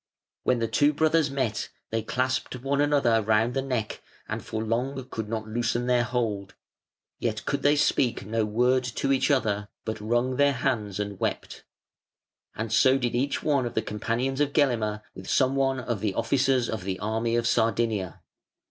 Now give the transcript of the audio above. When the two brothers met they clasped one another round the neck and for long could not loosen their hold, yet could they speak no word to each other, but wrung their hands and wept; and so did each one of the companions of Gelimer with some one of the officers of the army of Sardinia.